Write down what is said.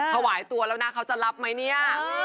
ถวายตัวแล้วนะเขาจะรับไหมเนี่ย